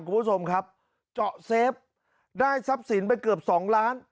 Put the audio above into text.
คุณผู้ชมครับเจาะเซฟได้ทรัพย์สินไปเกือบสองล้าน